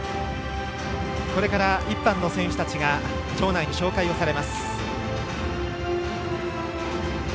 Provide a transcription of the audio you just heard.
これから１班の選手たちが場内に紹介されます。